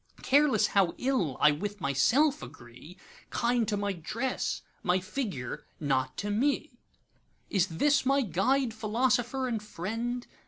Careless how ill I with myself agree, Kind to my dress, my figure,—not to me. Is this my Guide, Philosopher, and Friend?